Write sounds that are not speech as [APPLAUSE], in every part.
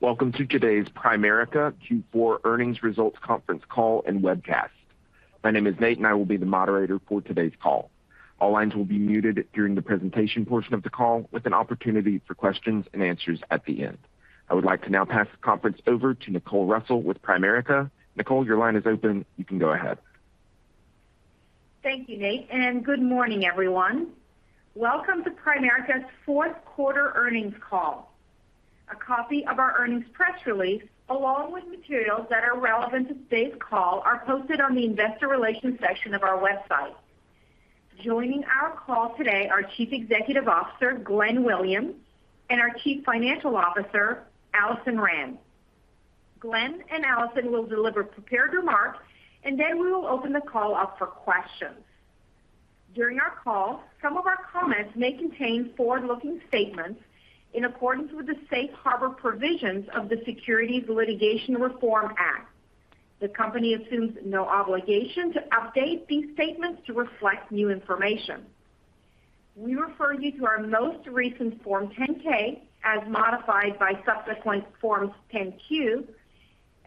Welcome to today's Primerica Q4 Earnings Results Conference Call and Webcast. My name is Nate, and I will be the moderator for today's call. All lines will be muted during the presentation portion of the call, with an opportunity for questions and answers at the end. I would like to now pass the conference over to Nicole Russell with Primerica. Nicole, your line is open. You can go ahead. Thank you, Nate, and good morning, everyone. Welcome to Primerica's Q4 Earnings Call. A copy of our earnings press release, along with materials that are relevant to today's call, are posted on the investor relations section of our website. Joining our call today are Chief Executive Officer, Glenn Williams, and our Chief Financial Officer, Alison Rand. Glenn and Alison will deliver prepared remarks, and then we will open the call up for questions. During our call, some of our comments may contain forward-looking statements in accordance with the safe harbor provisions of the Securities Litigation Reform Act. The company assumes no obligation to update these statements to reflect new information. We refer you to our most recent Form 10-K, as modified by subsequent Forms 10-Q,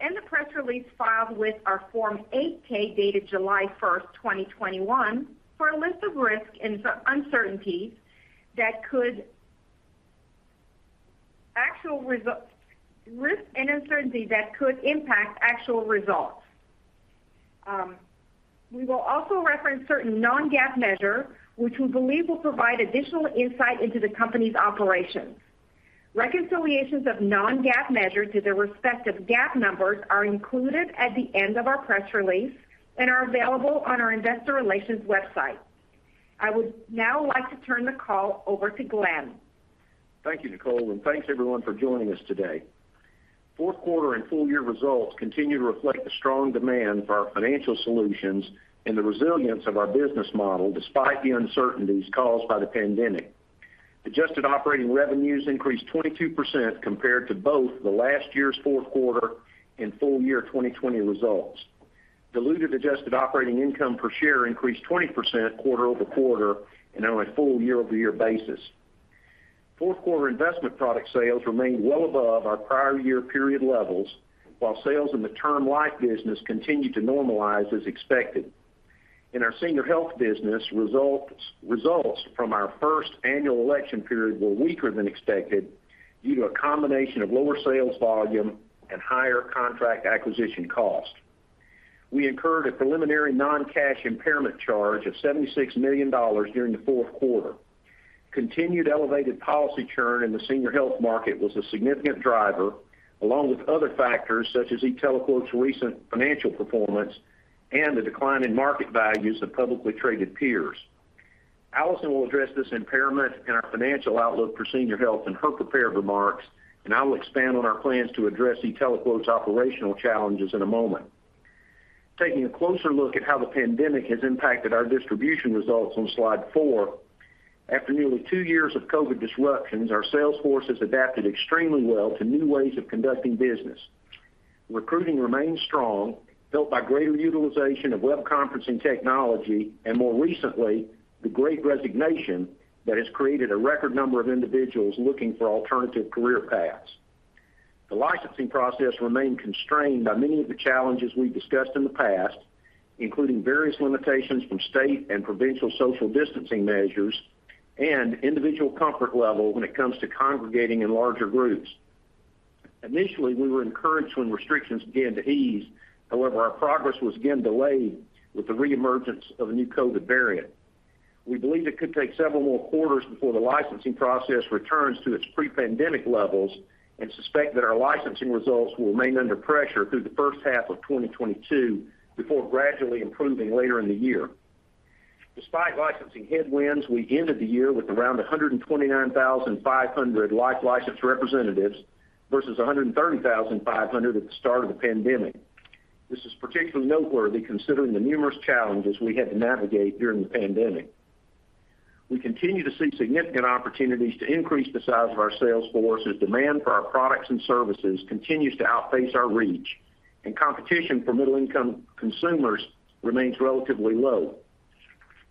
and the press release filed with our Form 8-K, dated July 1st, 2021, for a list of risks and uncertainties that could impact actual results. We will also reference certain non-GAAP measures, which we believe will provide additional insight into the company's operations. Reconciliations of non-GAAP measures to their respective GAAP numbers are included at the end of our press release and are available on our investor relations website. I would now like to turn the call over to Glenn. Thank you, Nicole, and thanks everyone for joining us today. Q4 and full year results continue to reflect the strong demand for our financial solutions and the resilience of our business model despite the uncertainties caused by the pandemic. Adjusted operating revenues increased 22% compared to both the last year's Q4 and full year 2020 results. Diluted adjusted operating income per share increased 20% quarter-over-quarter and on a full year-over-year basis. Q4 investment product sales remained well above our prior year period levels, while sales in the Term Life business continued to normalize as expected. In our Senior Health business, results from our first annual election period were weaker than expected due to a combination of lower sales volume and higher contract acquisition costs. We incurred a preliminary non-cash impairment charge of $76 million during the Q4. Continued elevated policy churn in the Senior Health market was a significant driver, along with other factors such as e-TeleQuote's recent financial performance and the decline in market values of publicly traded peers. Alison will address this impairment and our financial outlook for Senior Health in her prepared remarks, and I will expand on our plans to address e-TeleQuote's operational challenges in a moment. Taking a closer look at how the pandemic has impacted our distribution results on slide four, after nearly two years of COVID disruptions, our sales force has adapted extremely well to new ways of conducting business. Recruiting remains strong, buoyed by greater utilization of web conferencing technology, and more recently, the Great Resignation that has created a record number of individuals looking for alternative career paths. The licensing process remained constrained by many of the challenges we discussed in the past, including various limitations from state and provincial social distancing measures and individual comfort level when it comes to congregating in larger groups. Initially, we were encouraged when restrictions began to ease. However, our progress was again delayed with the re-emergence of a new COVID variant. We believe it could take several more quarters before the licensing process returns to its pre-pandemic levels and suspect that our licensing results will remain under pressure through the first half of 2022, before gradually improving later in the year. Despite licensing headwinds, we ended the year with around 129,500 life license representatives versus 130,500 at the start of the pandemic. This is particularly noteworthy considering the numerous challenges we had to navigate during the pandemic. We continue to see significant opportunities to increase the size of our sales force as demand for our products and services continues to outpace our reach, and competition for middle-income consumers remains relatively low.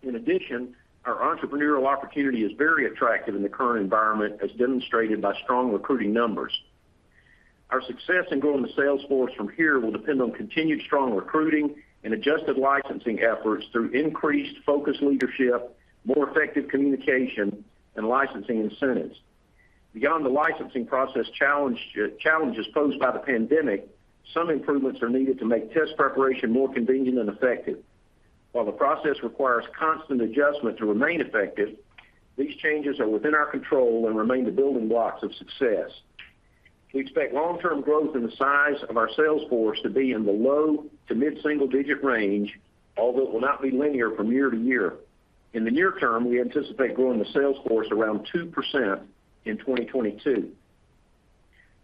In addition, our entrepreneurial opportunity is very attractive in the current environment, as demonstrated by strong recruiting numbers. Our success in growing the sales force from here will depend on continued strong recruiting and adjusted licensing efforts through increased focused leadership, more effective communication, and licensing incentives. Beyond the licensing process challenges posed by the pandemic, some improvements are needed to make test preparation more convenient and effective. While the process requires constant adjustment to remain effective, these changes are within our control and remain the building blocks of success. We expect long-term growth in the size of our sales force to be in the low to mid-single digit range, although it will not be linear from year to year. In the near term, we anticipate growing the sales force around 2% in 2022.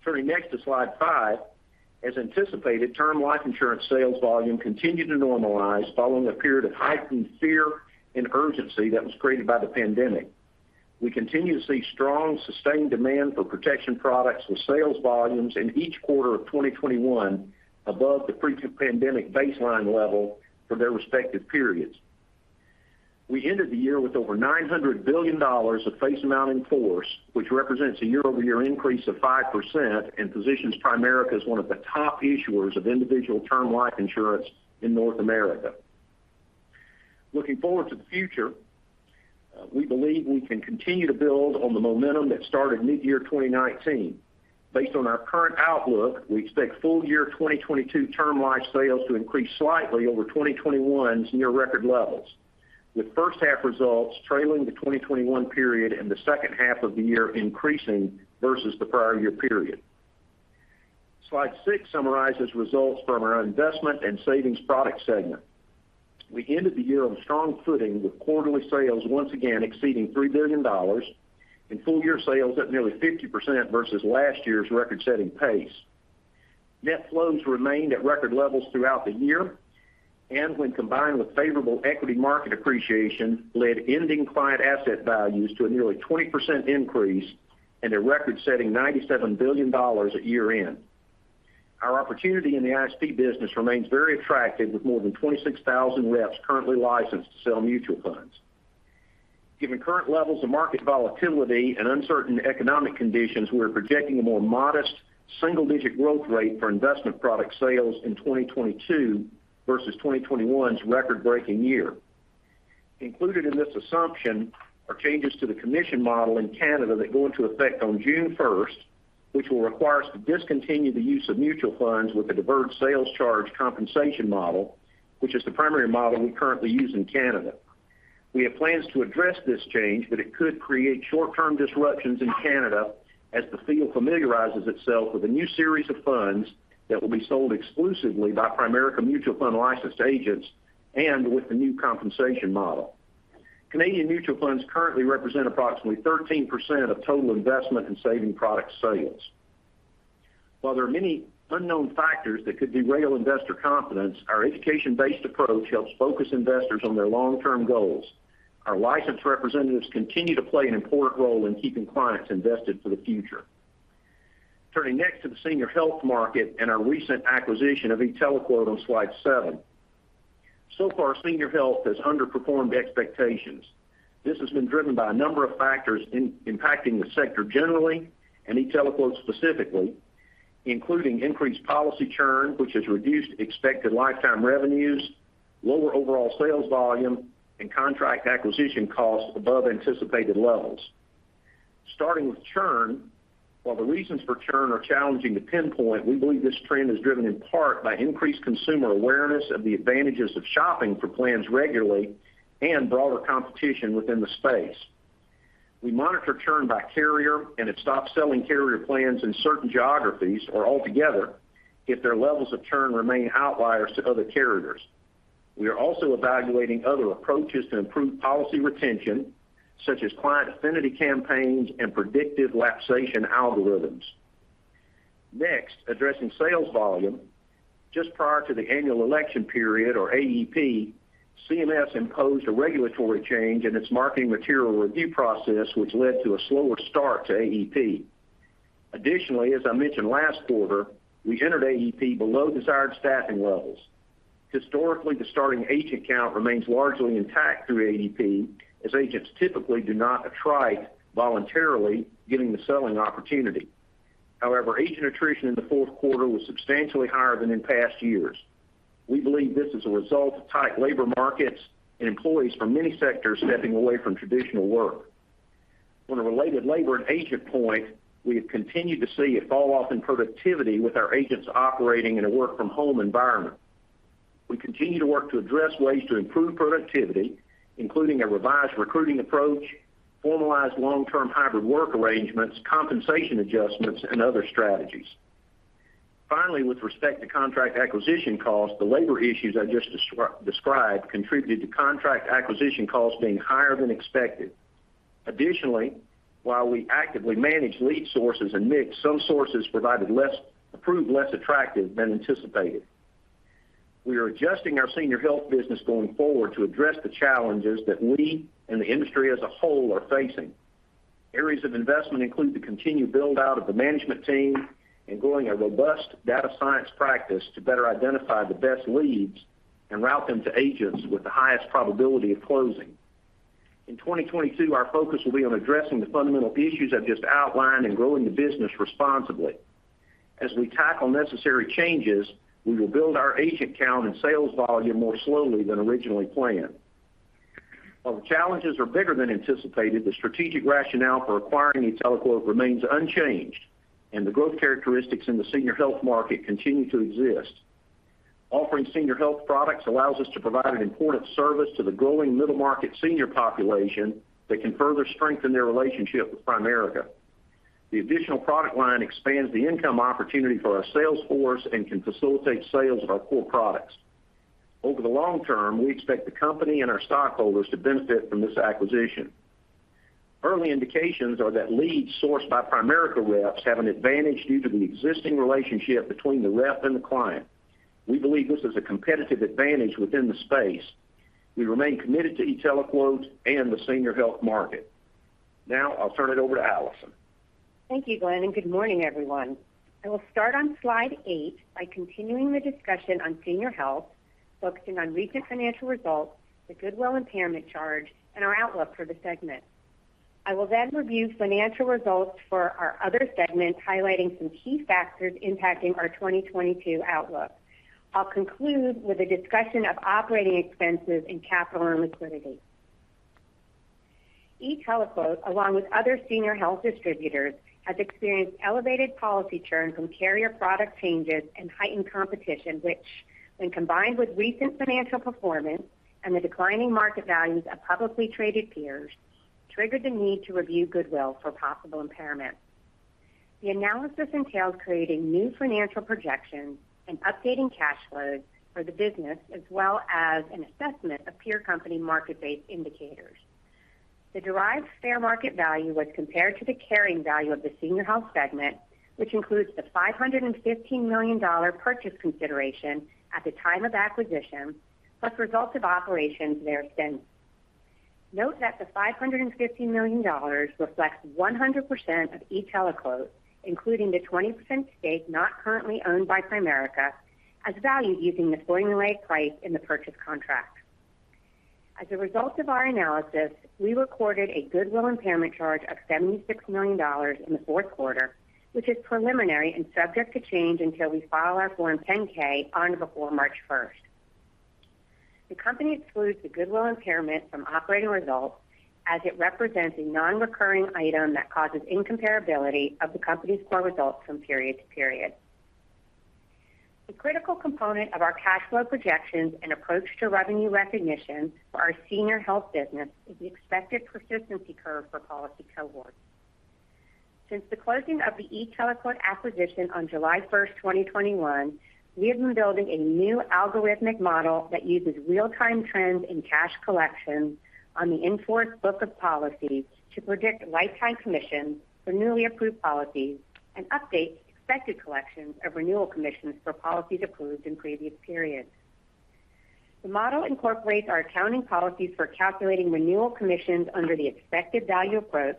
Turning next to slide five. As anticipated, term Life Insurance sales volume continued to normalize following a period of heightened fear and urgency that was created by the pandemic. We continue to see strong, sustained demand for protection products with sales volumes in each quarter of 2021 above the pre-pandemic baseline level for their respective periods. We ended the year with over $900 billion of face amount in force, which represents a year-over-year increase of 5% and positions Primerica as one of the top issuers of individual term Life Insurance in North America. Looking forward to the future, we believe we can continue to build on the momentum that started mid-year 2019. Based on our current outlook, we expect full year 2022 Term Life sales to increase slightly over 2021's near record levels, with first half results trailing the 2021 period and the second half of the year increasing versus the prior year period. Slide six summarizes results from our Investment and Savings Products segment. We ended the year on strong footing with quarterly sales once again exceeding $3 billion and full year sales at nearly 50% versus last year's record-setting pace. Net flows remained at record levels throughout the year, and when combined with favorable equity market appreciation, led ending client asset values to a nearly 20% increase and a record-setting $97 billion at year-end. Our opportunity in the ISP business remains very attractive, with more than 26,000 reps currently licensed to sell mutual funds. Given current levels of market volatility and uncertain economic conditions, we are projecting a more modest single-digit growth rate for investment product sales in 2022 versus 2021's record-breaking year. Included in this assumption are changes to the commission model in Canada that go into effect on June 1st, which will require us to discontinue the use of mutual funds with a deferred sales charge compensation model, which is the primary model we currently use in Canada. We have plans to address this change, but it could create short-term disruptions in Canada as the field familiarizes itself with a new series of funds that will be sold exclusively by Primerica mutual fund licensed agents and with the new compensation model. Canadian mutual funds currently represent approximately 13% of total investment in saving product sales. While there are many unknown factors that could derail investor confidence, our education-based approach helps focus investors on their long-term goals. Our licensed representatives continue to play an important role in keeping clients invested for the future. Turning next to the Senior Health market and our recent acquisition of e-TeleQuote on slide seven. So far, Senior Health has underperformed expectations. This has been driven by a number of factors impacting the sector generally, and e-TeleQuote specifically, including increased policy churn, which has reduced expected lifetime revenues, lower overall sales volume, and contract acquisition costs above anticipated levels. Starting with churn, while the reasons for churn are challenging to pinpoint, we believe this trend is driven in part by increased consumer awareness of the advantages of shopping for plans regularly and broader competition within the space. We monitor churn by carrier, and it stops selling carrier plans in certain geographies or altogether if their levels of churn remain outliers to other carriers. We are also evaluating other approaches to improve policy retention, such as client affinity campaigns and predictive lapsation algorithms. Next, addressing sales volume. Just prior to the annual election period or AEP, CMS imposed a regulatory change in its marketing material review process, which led to a slower start to AEP. Additionally, as I mentioned last quarter, we entered AEP below desired staffing levels. Historically, the starting agent count remains largely intact through AEP, as agents typically do not attrite voluntarily, given the selling opportunity. However, agent attrition in the Q4 was substantially higher than in past years. We believe this is a result of tight labor markets and employees from many sectors stepping away from traditional work. On a related labor and agent point, we have continued to see a fall off in productivity with our agents operating in a work-from-home environment. We continue to work to address ways to improve productivity, including a revised recruiting approach, formalized long-term hybrid work arrangements, compensation adjustments, and other strategies. Finally, with respect to contract acquisition costs, the labor issues I just described contributed to contract acquisition costs being higher than expected. Additionally, while we actively manage lead sources and mix, some sources proved less attractive than anticipated. We are adjusting our Senior Health business going forward to address the challenges that we and the industry as a whole are facing. Areas of investment include the continued build-out of the management team and growing a robust data science practice to better identify the best leads and route them to agents with the highest probability of closing. In 2022, our focus will be on addressing the fundamental issues I've just outlined and growing the business responsibly. As we tackle necessary changes, we will build our agent count and sales volume more slowly than originally planned. While the challenges are bigger than anticipated, the strategic rationale for acquiring e-TeleQuote remains unchanged, and the growth characteristics in the Senior Health market continue to exist. Offering Senior Health products allows us to provide an important service to the growing middle market senior population that can further strengthen their relationship with Primerica. The additional product line expands the income opportunity for our sales force and can facilitate sales of our core products. Over the long term, we expect the company and our stockholders to benefit from this acquisition. Early indications are that leads sourced by Primerica reps have an advantage due to the existing relationship between the rep and the client. We believe this is a competitive advantage within the space. We remain committed to e-TeleQuote and the Senior Health market. Now I'll turn it over to Alison. Thank you, Glenn, and good morning, everyone. I will start on slide eight by continuing the discussion on Senior Health, focusing on recent financial results, the goodwill impairment charge, and our outlook for the segment. I will then review financial results for our other segments, highlighting some key factors impacting our 2022 outlook. I'll conclude with a discussion of operating expenses and capital and liquidity. e-TeleQuote, along with other Senior Health distributors, has experienced elevated policy churn from carrier product changes and heightened competition, which, when combined with recent financial performance and the declining market values of publicly traded peers, triggered the need to review goodwill for possible impairment. The analysis entails creating new financial projections and updating cash flows for the business, as well as an assessment of peer company market-based indicators. The derived fair market value was compared to the carrying value of the Senior Health segment, which includes the $515 million purchase consideration at the time of acquisition, plus results of operations thereafter. Note that the $515 million reflects 100% of e-TeleQuote, including the 20% stake not currently owned by Primerica, as valued using the formulaic price in the purchase contract. As a result of our analysis, we recorded a goodwill impairment charge of $76 million in the Q4, which is preliminary and subject to change until we file our Form 10-K on or before March 1st. The company excludes the goodwill impairment from operating results as it represents a non-recurring item that causes incomparability of the company's core results from period to period. A critical component of our cash flow projections and approach to revenue recognition for our Senior Health business is the expected persistency curve for policy cohorts. Since the closing of the e-TeleQuote acquisition on July 1st, 2021, we have been building a new algorithmic model that uses real-time trends in cash collections on the in-force book of policies to predict lifetime commissions for newly approved policies and updates expected collections of renewal commissions for policies approved in previous periods. The model incorporates our accounting policies for calculating renewal commissions under the expected value approach,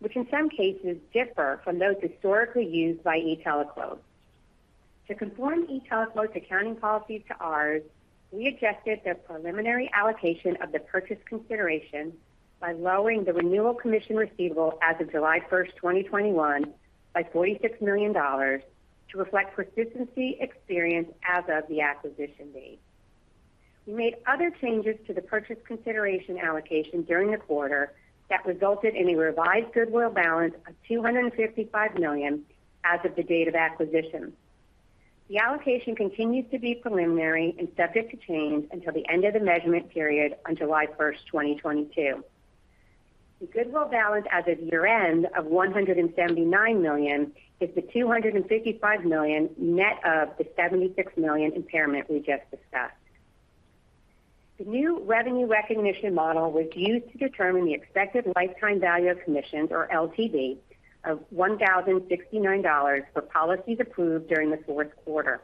which in some cases differ from those historically used by e-TeleQuote. To conform e-TeleQuote's accounting policies to ours, we adjusted their preliminary allocation of the purchase consideration by lowering the renewal commission receivable as of July 1st, 2021 by $46 million to reflect persistency experience as of the acquisition date. We made other changes to the purchase consideration allocation during the quarter that resulted in a revised goodwill balance of $255 million as of the date of acquisition. The allocation continues to be preliminary and subject to change until the end of the measurement period on July 1st, 2022. The goodwill balance as of year-end of $179 million is the $255 million net of the $76 million impairment we just discussed. The new revenue recognition model was used to determine the expected lifetime value of commissions, or LTV, of $1,069 for policies approved during the Q4.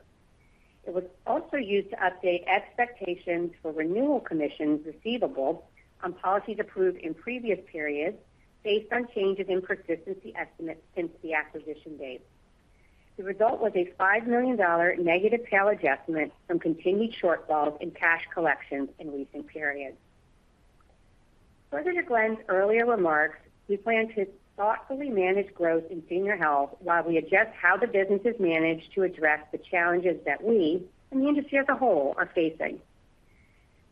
It was also used to update expectations for renewal commissions receivable on policies approved in previous periods based on changes in persistency estimates since the acquisition date. The result was a $5 million negative tail adjustment from continued shortfalls in cash collections in recent periods. Further to Glenn's earlier remarks, we plan to thoughtfully manage growth in Senior Health while we adjust how the business is managed to address the challenges that we and the industry as a whole are facing.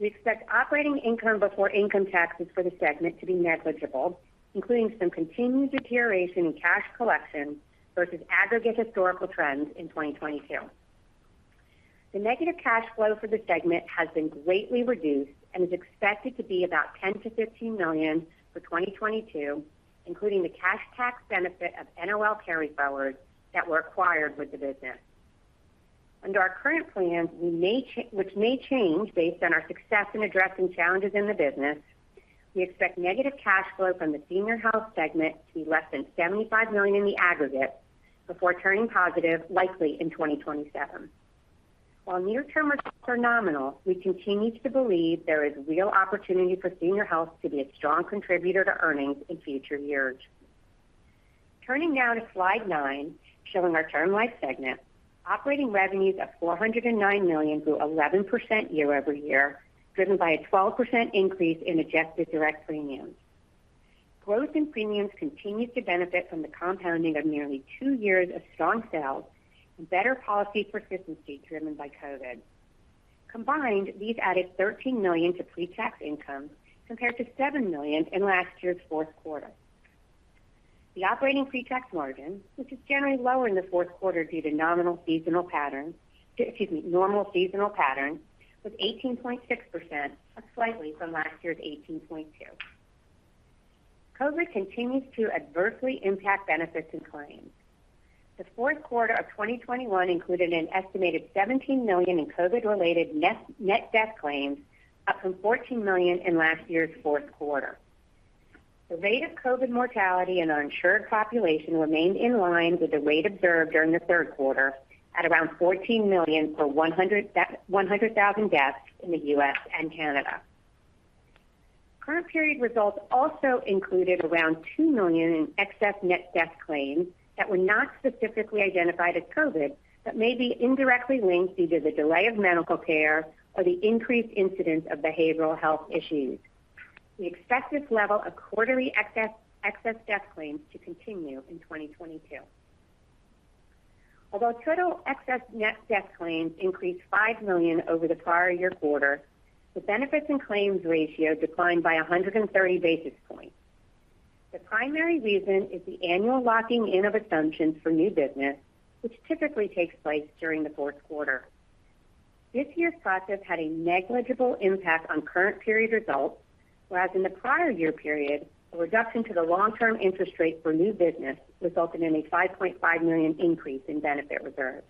We expect operating income before income taxes for the segment to be negligible, including some continued deterioration in cash collections versus aggregate historical trends in 2022. The negative cash flow for the segment has been greatly reduced and is expected to be about $10 million-$15 million for 2022, including the cash tax benefit of NOL carryforwards that were acquired with the business. Under our current plans, which may change based on our success in addressing challenges in the business, we expect negative cash flow from the Senior Health segment to be less than $75 million in the aggregate before turning positive likely in 2027. While near-term results are nominal, we continue to believe there is real opportunity for Senior Health to be a strong contributor to earnings in future years. Turning now to slide nine, showing our Term Life segment. Operating revenues of $409 million grew 11% year-over-year, driven by a 12% increase in adjusted direct premiums. Growth in premiums continued to benefit from the compounding of nearly two years of strong sales and better policy persistency driven by COVID. Combined, these added $13 million to pretax income, compared to $7 million in last year's Q4. The operating pretax margin, which is generally lower in the Q4 due to normal seasonal patterns, was 18.6%, up slightly from last year's 18.2%. COVID continues to adversely impact benefits and claims. The Q4 of 2021 included an estimated $17 million in COVID-related net death claims, up from $14 million in last year's Q4. The rate of COVID mortality in our insured population remained in line with the rate observed during the Q3 at around $14 million per 100,000 deaths in the U.S. and Canada. Current period results also included around $2 million in excess net death claims that were not specifically identified as COVID, but may be indirectly linked due to the delay of medical care or the increased incidence of behavioral health issues. We expect this level of quarterly excess death claims to continue in 2022. Although total excess net death claims increased $5 million over the prior year quarter, the benefits and claims ratio declined by 130 basis points. The primary reason is the annual locking in of assumptions for new business, which typically takes place during the Q4. This year's process had a negligible impact on current period results, whereas in the prior year period, a reduction to the long-term interest rate for new business resulted in a $5.5 million increase in benefit reserves.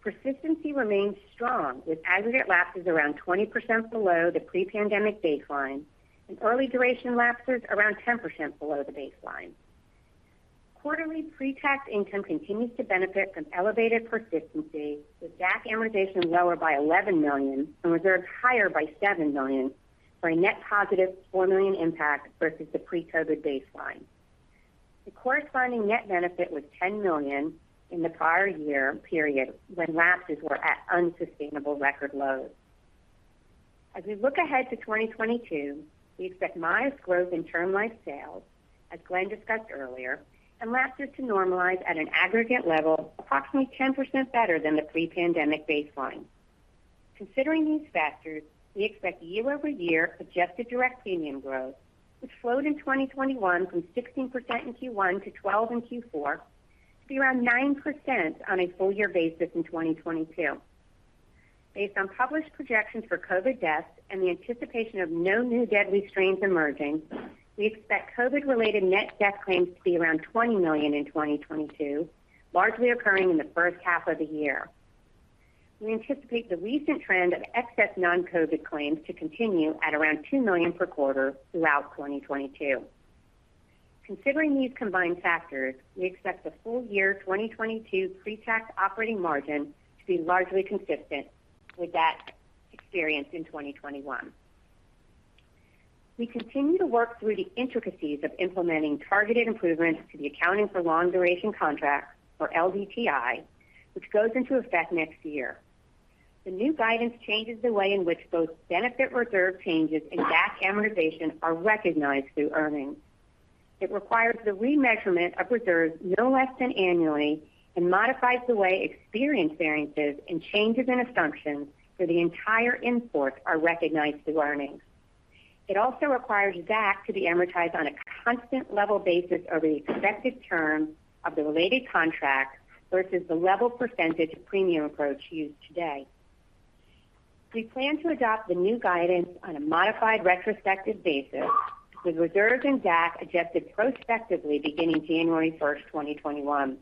Persistency remains strong, with aggregate lapses around 20% below the pre-pandemic baseline and early duration lapses around 10% below the baseline. Quarterly pre-tax income continues to benefit from elevated persistency, with DAC amortization lower by $11 million and reserves higher by $7 million for a net positive $4 million impact versus the pre-COVID baseline. The corresponding net benefit was $10 million in the prior year period when lapses were at unsustainable record lows. As we look ahead to 2022, we expect modest growth in Term Life sales, as Glenn discussed earlier, and lapses to normalize at an aggregate level approximately 10% better than the pre-pandemic baseline. Considering these factors, we expect year-over-year adjusted direct premium growth, which slowed in 2021 from 16% in Q1 to 12% in Q4, to be around 9% on a full year basis in 2022. Based on published projections for COVID deaths and the anticipation of no new deadly strains emerging, we expect COVID-related net death claims to be around $20 million in 2022, largely occurring in the first half of the year. We anticipate the recent trend of excess non-COVID claims to continue at around $2 million per quarter throughout 2022. Considering these combined factors, we expect the full year 2022 pretax operating margin to be largely consistent with that experienced in 2021. We continue to work through the intricacies of implementing targeted improvements to the accounting for long duration contracts, or LDTI, which goes into effect next year. The new guidance changes the way in which both benefit reserve changes and DAC amortization are recognized through earnings. It requires the remeasurement of reserves no less than annually and modifies the way experience variances and changes in assumptions for the entire in-force are recognized through earnings. It also requires DAC to be amortized on a constant level basis over the expected term of the related contract versus the level percentage premium approach used today. We plan to adopt the new guidance on a modified retrospective basis with reserves and DAC adjusted prospectively beginning January 1st, 2021.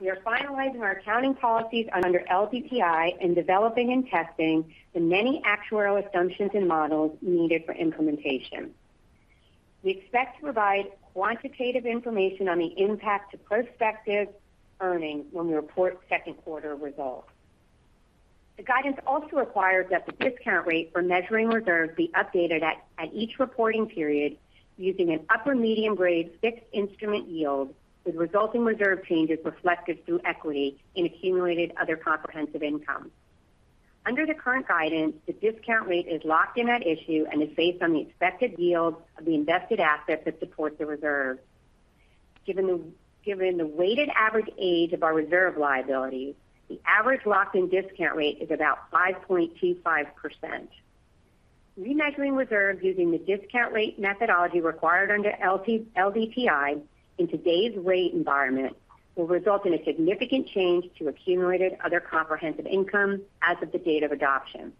We are finalizing our accounting policies under LDTI and developing and testing the many actuarial assumptions and models needed for implementation. We expect to provide quantitative information on the impact to prospective earnings when we report Q2 results. The guidance also requires that the discount rate for measuring reserves be updated at each reporting period using an upper median grade fixed instrument yield, with resulting reserve changes reflected through equity in accumulated other comprehensive income. Under the current guidance, the discount rate is locked in at issue and is based on the expected yield of the invested assets that support the reserve. Given the weighted average age of our reserve liabilities, the average locked-in discount rate is about 5.25%. Remeasuring reserves using the discount rate methodology required under LDTI in today's rate environment will result in a significant change to accumulated other comprehensive income as of the date of adoption.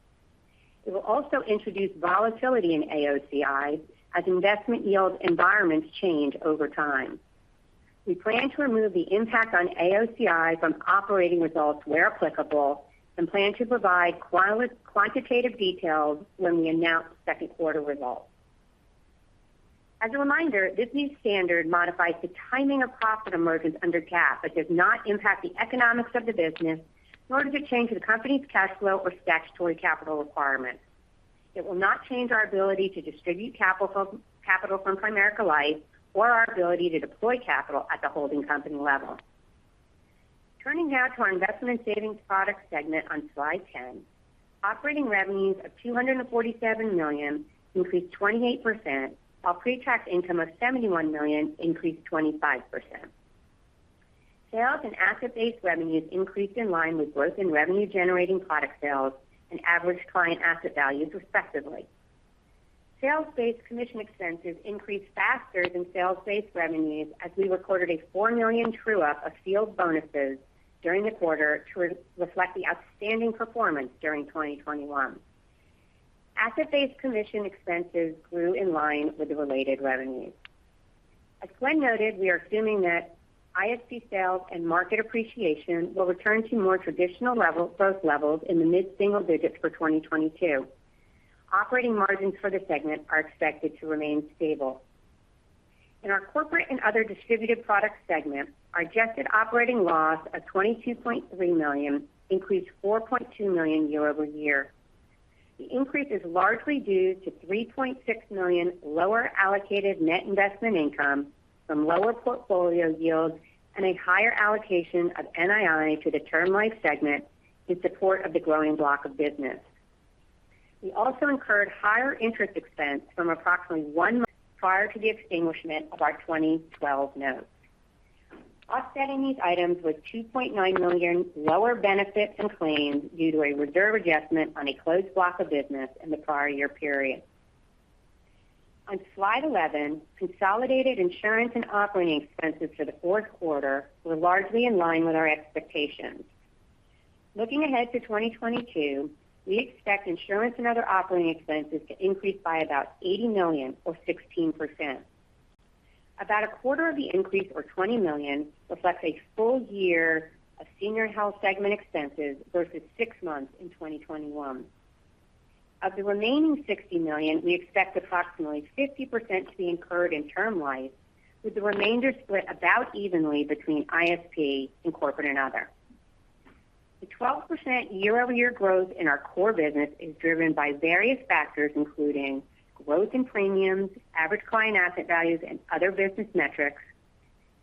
It will also introduce volatility in AOCI as investment yield environments change over time. We plan to remove the impact on AOCI from operating results where applicable, and plan to provide quantitative details when we announce Q2 results. As a reminder, this new standard modifies the timing of profit emergence under GAAP, but does not impact the economics of the business, nor does it change the company's cash flow or statutory capital requirements. It will not change our ability to distribute capital from Primerica Life or our ability to deploy capital at the holding company level. Turning now to our Investment and Savings Product segment on slide 10, operating revenues of $247 million increased 28%, while pretax income of $71 million increased 25%. Sales and asset-based revenues increased in line with growth in revenue-generating product sales and average client asset values, respectively. Sales-based commission expenses increased faster than sales-based revenues as we recorded a $4 million true-up of field bonuses during the quarter to reflect the outstanding performance during 2021. Asset-based commission expenses grew in line with the related revenues. As Glenn noted, we are assuming that ISP sales and market appreciation will return to more traditional levels, growth levels in the mid-single digits for 2022. Operating margins for the segment are expected to remain stable. In our Corporate and Other Distributed Product segment, our adjusted operating loss of $22.3 million increased $4.2 million year-over-year. The increase is largely due to $3.6 million lower allocated net investment income from lower portfolio yields and a higher allocation of NII to the Term Life segment in support of the growing block of business. We also incurred higher interest expense of approximately $1 million prior to the extinguishment of our 2012 notes. Offsetting these items was $2.9 million lower benefits and claims due to a reserve adjustment on a closed block of business in the prior year period. On slide 11, consolidated insurance and operating expenses for the Q4 were largely in line with our expectations. Looking ahead to 2022, we expect insurance and other operating expenses to increase by about $80 million or 16%. About a quarter of the increase, or $20 million, reflects a full year of Senior Health segment expenses versus six months in 2021. Of the remaining $60 million, we expect approximately 50% to be incurred in Term Life, with the remainder split about evenly between ISP and Corporate and other. The 12% year-over-year growth in our core business is driven by various factors, including growth in premiums, average client asset values and other business metrics,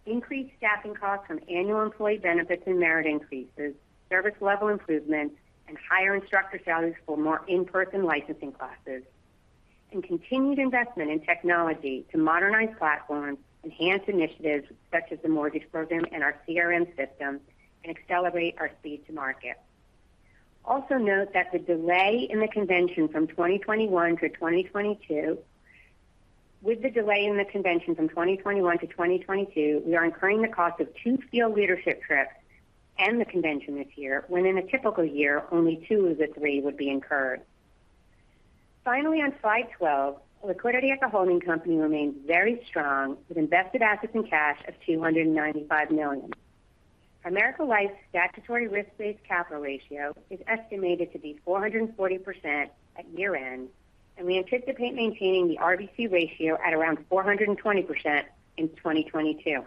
increased staffing costs from annual employee benefits and merit increases, service level improvements, and higher instructor salaries for more in-person licensing classes, and continued investment in technology to modernize platforms, enhance initiatives such as the mortgage program and our CRM system, and accelerate our speed to market. Also note that the delay in the convention from 2021 to 2022. We are incurring the cost of two field leadership trips and the convention this year, when in a typical year, only two of the three would be incurred. Finally, on slide 12, liquidity at the holding company remains very strong, with invested assets and cash of $295 million. Primerica Life's statutory risk-based capital ratio is estimated to be 440% at year-end, and we anticipate maintaining the RBC ratio at around 420% in 2022.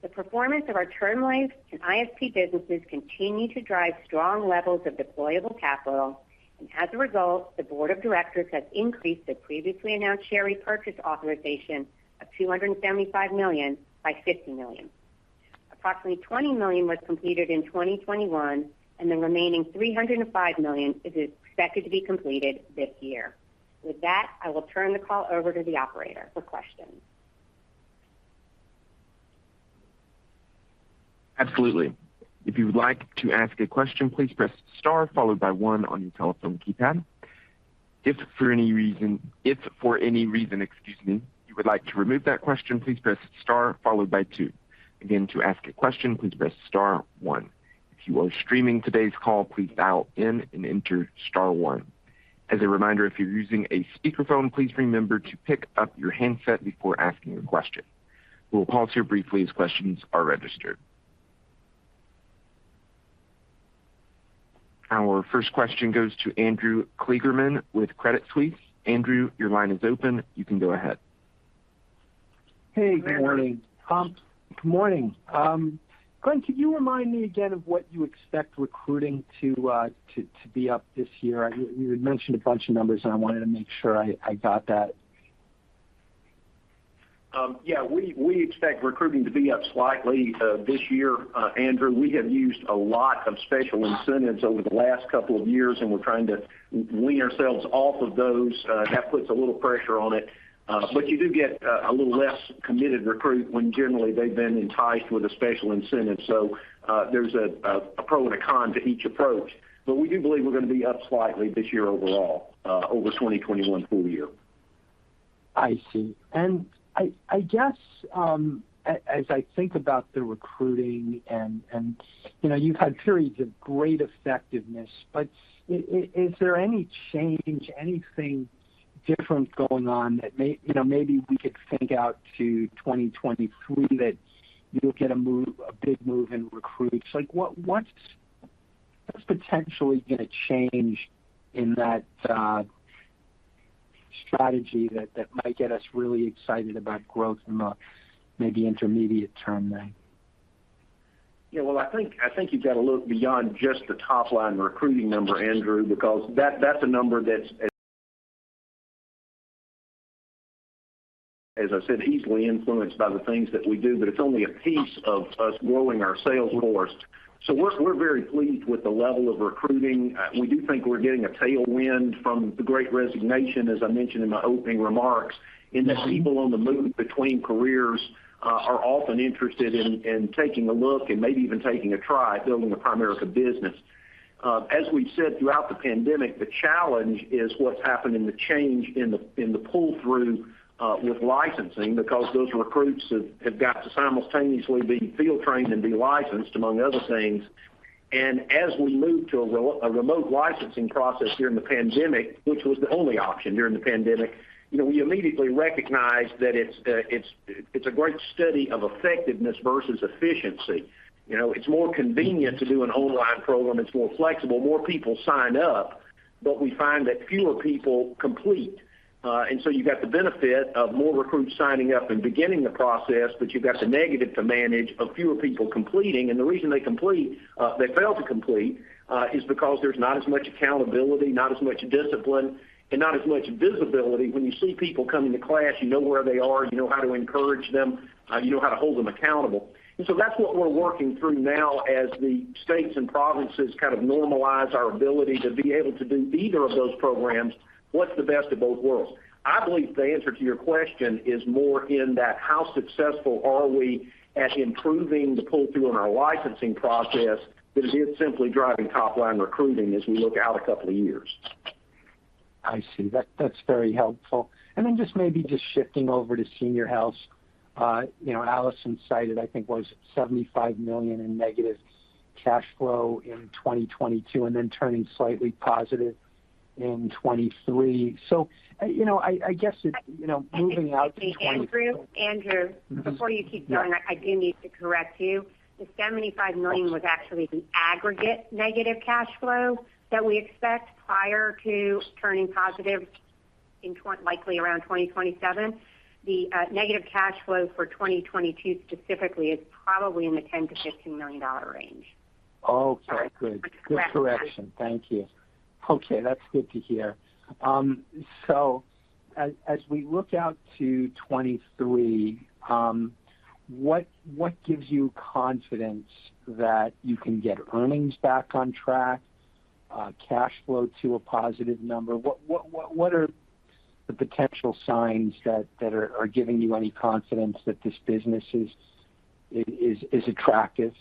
The performance of our Term Life and ISP businesses continue to drive strong levels of deployable capital, and as a result, the board of directors has increased the previously announced share repurchase authorization of $275 million by $50 million. Approximately $20 million was completed in 2021, and the remaining $305 million is expected to be completed this year. With that, I will turn the call over to the operator for questions. Absolutely. If you would like to ask a question, please press star followed by one on your telephone keypad. If for any reason, excuse me, you would like to remove that question, please press star followed by two. Again, to ask a question, please press star one. If you are streaming today's call, please dial in and enter star one. As a reminder, if you're using a speakerphone, please remember to pick up your handset before asking a question. We'll pause here briefly as questions are registered. Our first question goes to Andrew Kligerman with Credit Suisse. Andrew, your line is open. You can go ahead. Hey, good morning. Um? Good morning. Glenn, could you remind me again of what you expect recruiting to be up this year? You had mentioned a bunch of numbers, and I wanted to make sure I got that. Yeah, we expect recruiting to be up slightly this year, Andrew. We have used a lot of special incentives over the last couple of years, and we're trying to wean ourselves off of those. That puts a little pressure on it. You do get a little less committed recruit when generally they've been enticed with a special incentive. There's a pro and a con to each approach. We do believe we're going to be up slightly this year overall over 2021 full year. I see. I guess, as I think about the recruiting and, you know, you've had periods of great effectiveness, but is there any change, anything different going on that may, you know, maybe we could think out to 2023 that you'll get a move, a big move in recruits? Like, what's potentially going to change in that strategy that might get us really excited about growth in the maybe intermediate term then? Yeah, well, I think you've got to look beyond just the top line recruiting number, Andrew, because that's a number that's, as I said, easily influenced by the things that we do, but it's only a piece of us growing our sales force. We're very pleased with the level of recruiting. We do think we're getting a tailwind from the Great Resignation, as I mentioned in my opening remarks, in that people on the move between careers are often interested in taking a look and maybe even taking a try at building a Primerica business. As we've said throughout the pandemic, the challenge is what's happened in the change in the pull-through with licensing because those recruits have got to simultaneously be field trained and be licensed, among other things. As we move to a remote licensing process during the pandemic, which was the only option during the pandemic, you know, we immediately recognized that it's a great study of effectiveness versus efficiency. You know, it's more convenient to do an online program. It's more flexible. More people sign up, but we find that fewer people complete. You've got the benefit of more recruits signing up and beginning the process, but you've got the negative to manage of fewer people completing. The reason they fail to complete is because there's not as much accountability, not as much discipline, and not as much visibility. When you see people coming to class, you know where they are, you know how to encourage them, you know how to hold them accountable. That's what we're working through now as the states and provinces kind of normalize our ability to be able to do either of those programs, what's the best of both worlds. I believe the answer to your question is more in that how successful are we at improving the pull-through in our licensing process than it is simply driving top-line recruiting as we look out a couple of years. I see. That's very helpful. Then just maybe shifting over to Senior Health. You know, Alison cited, I think it was $75 million in negative cash flow in 2022, and then turning slightly positive in 2023. You know, I guess it's, you know, moving out to 20- Excuse me, Andrew. Andrew, before you keep going, I do need to correct you. The $75 million was actually the aggregate negative cash flow that we expect prior to turning positive, likely around 2027. The negative cash flow for 2022 specifically is probably in the $10 million-$15 million range. Okay, good. Good correction. Thank you. Okay, that's good to hear. So as we look out to 2023, what gives you confidence that you can get earnings back on track, cash flow to a positive number? What are the potential signs that are giving you any confidence that this business is attractive?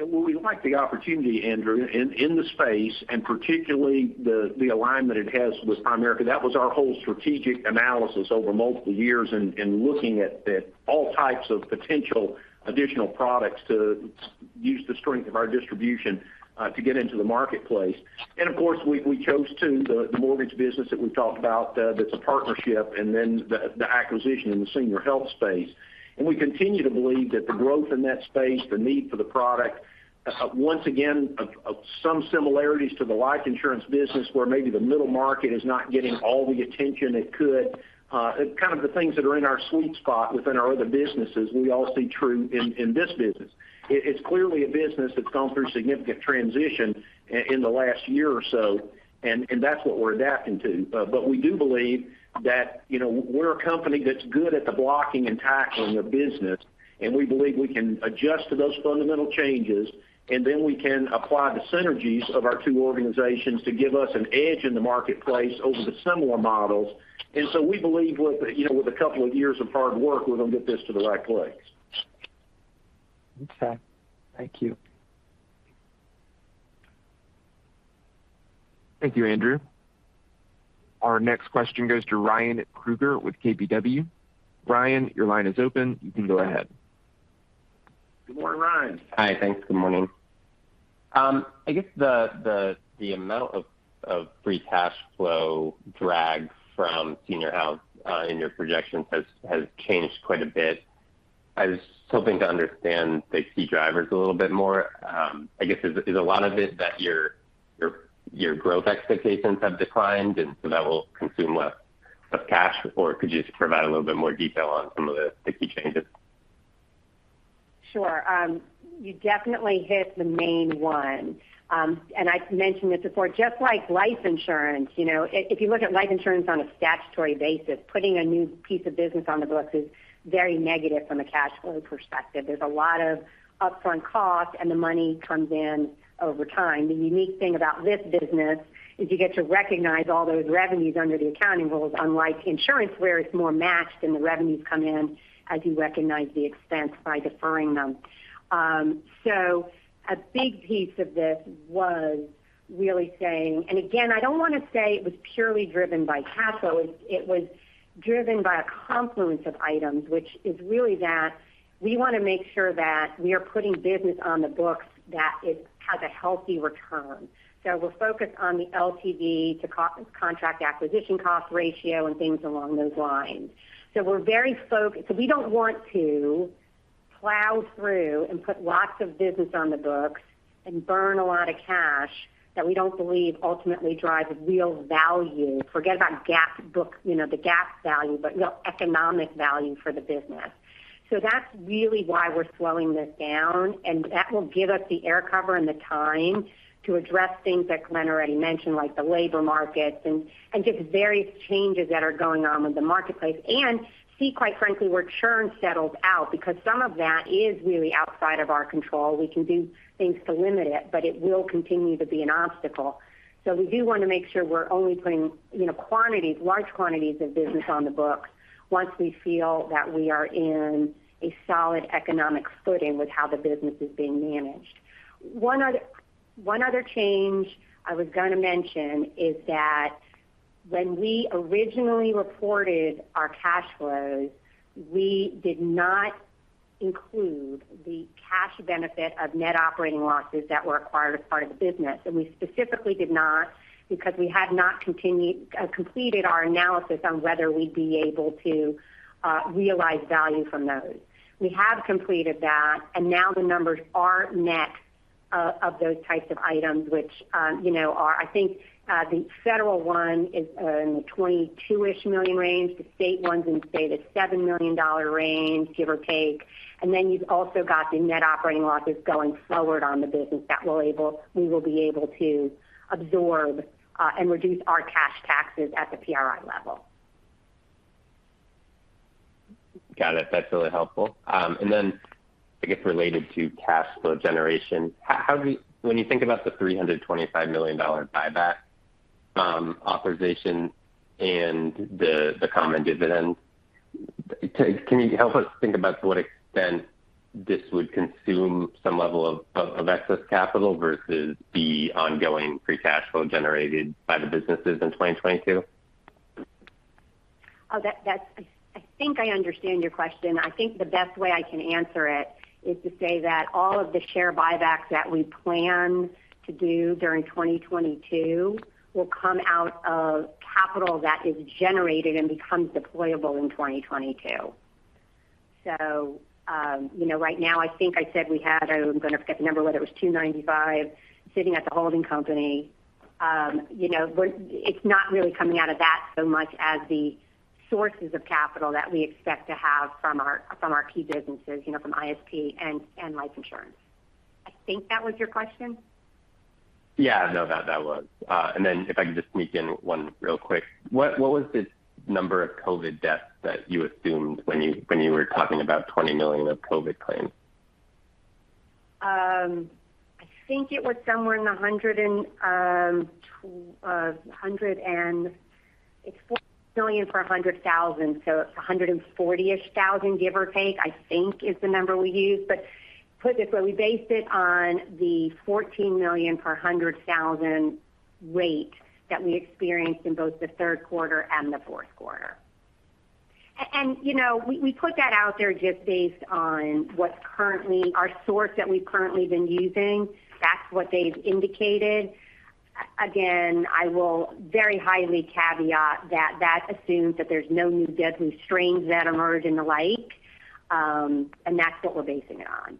Well, we like the opportunity, Andrew, in the space, and particularly the alignment it has with Primerica. That was our whole strategic analysis over multiple years and looking at all types of potential additional products to use the strength of our distribution to get into the marketplace. Of course, we chose to the mortgage business that we talked about, that's a partnership, and then the acquisition in the Senior Health space. We continue to believe that the growth in that space, the need for the product, once again, of some similarities to the Life Insurance business where maybe the middle market is not getting all the attention it could, kind of the things that are in our sweet spot within our other businesses, we also see true in this business. It's clearly a business that's gone through significant transition in the last year or so, and that's what we're adapting to. We do believe that, you know, we're a company that's good at the blocking and tackling of business, and we believe we can adjust to those fundamental changes, and then we can apply the synergies of our two organizations to give us an edge in the marketplace over the similar models. We believe with, you know, with a couple of years of hard work, we're going to get this to the right place. Okay. Thank you. Thank you, Andrew. Our next question goes to Ryan Krueger with KBW. Ryan, your line is open. You can go ahead. Good morning, Ryan. Hi. Thanks. Good morning. I guess the amount of free cash flow drag from Senior Health in your projections has changed quite a bit. I was hoping to understand the key drivers a little bit more. I guess is a lot of it that your growth expectations have declined, and so that will consume less of cash? Or could you just provide a little bit more detail on some of the key changes? Sure. You definitely hit the main one. I've mentioned this before, just like Life Insurance, you know, if you look at Life Insurance on a statutory basis, putting a new piece of business on the books is very negative from a cash flow perspective. There's a lot of upfront costs, and the money comes in over time. The unique thing about this business is you get to recognize all those revenues under the accounting rules, unlike insurance, where it's more matched, and the revenues come in as you recognize the expense by deferring them. A big piece of this was really saying, and again, I don't want to say it was purely driven by cash flow. It was driven by a confluence of items, which is really that we want to make sure that we are putting business on the books that it has a healthy return. We're focused on the LTV to customer acquisition cost ratio and things along those lines. We're very focused. We don't want to plow through and put lots of business on the books and burn a lot of cash that we don't believe ultimately drives real value. Forget about GAAP book, you know, the GAAP value, but real economic value for the business. That's really why we're slowing this down, and that will give us the air cover and the time to address things that Glenn already mentioned, like the labor markets and just various changes that are going on with the marketplace. See, quite frankly, where churn settles out, because some of that is really outside of our control. We can do things to limit it, but it will continue to be an obstacle. We do want to make sure we're only putting, you know, quantities, large quantities of business on the books once we feel that we are in a solid economic footing with how the business is being managed. One other change I was gonna mention is that when we originally reported our cash flows, we did not include the cash benefit of net operating losses that were acquired as part of the business. We specifically did not because we had not completed our analysis on whether we'd be able to realize value from those. We have completed that, and now the numbers are net of those types of items which, you know, are, I think, the federal one is in the $22 million-ish range. The state one's in, say, the $7 million range, give or take. You've also got the net operating losses going forward on the business that we will be able to absorb and reduce our cash taxes at the PRI level. Got it. That's really helpful. I guess related to cash flow generation, how do you, when you think about the $325 million buyback authorization and the common dividend, can you help us think about to what extent this would consume some level of excess capital versus the ongoing free cash flow generated by the businesses in 2022? I think I understand your question. I think the best way I can answer it is to say that all of the share buybacks that we plan to do during 2022 will come out of capital that is generated and becomes deployable in 2022. You know, right now, I think I said we had, I'm gonna forget the number, whether it was $295 million sitting at the holding company. You know, it's not really coming out of that so much as the sources of capital that we expect to have from our key businesses, you know, from ISP and Life Insurance. I think that was your question. Yeah. No, that was. If I could just sneak in one real quick. What was the number of COVID deaths that you assumed when you were talking about $20 million of COVID claims? I think it was somewhere in the 100 and it's $4 million per 100,000, so it's 140,000-ish, give or take, I think is the number we used. Put it this way, we based it on the $14 million per 100,000 rate that we experienced in both the Q3 and the Q4. You know, we put that out there just based on what currently our source that we've currently been using, that's what they've indicated. I will very highly caveat that that assumes that there's no new deadly strains that emerge and the like, and that's what we're basing it on.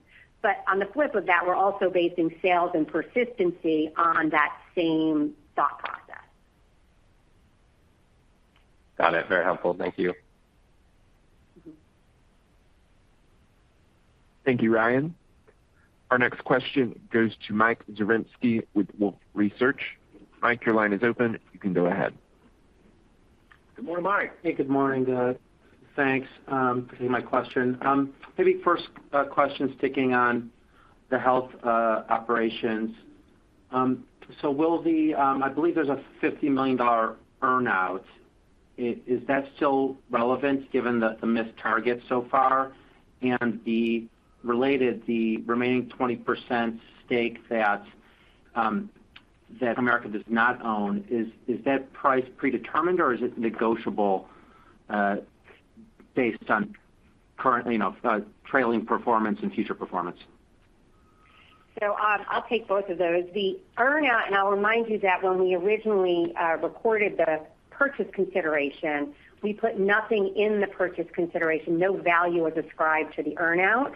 On the flip of that, we're also basing sales and persistency on that same thought process. Got it. Very helpful. Thank you. Thank you, Ryan. Our next question goes to Mike Zaremski with Wolfe Research. Mike, your line is open. You can go ahead. Good morning, Mike. Hey, good morning, guys. Thanks for taking my question. Maybe first question sticking on the health operations. So, I believe there's a $50 million earn-out. Is that still relevant given the missed targets so far? The related, the remaining 20% stake that Primerica does not own, is that price predetermined, or is it negotiable based on current, you know, trailing performance and future performance? I'll take both of those. The earn-out, and I'll remind you that when we originally recorded the purchase consideration, we put nothing in the purchase consideration. No value was ascribed to the earn-out.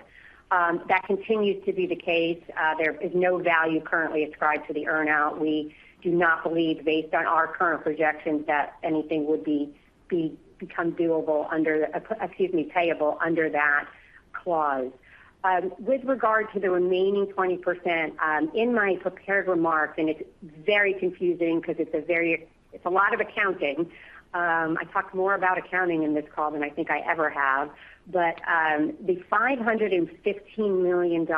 That continues to be the case. There is no value currently ascribed to the earn-out. We do not believe based on our current projections that anything would become payable under that clause. With regard to the remaining 20%, in my prepared remarks, and it's very confusing because it's a lot of accounting. I talked more about accounting in this call than I think I ever have. The $515 million